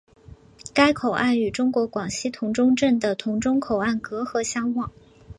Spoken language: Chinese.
该口岸与中国广西峒中镇的峒中口岸隔河相望。